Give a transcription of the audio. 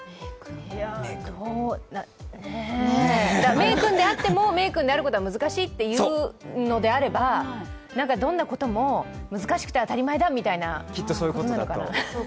名君であっても、名君であることは難しいというのであればどんなことも難しくて当たり前だみたいなことなのかな？